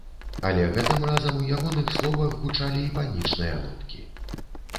Але гэтым разам у ягоных словах гучалі і панічныя ноткі.